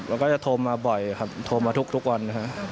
แล้วก็จะโทรมาบ่อยครับโทรมาทุกวัน